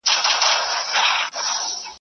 په دوستي په یارانه به هلته اوسو ..